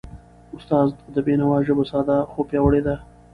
استاد د بینوا ژبه ساده، خو پیاوړی ده.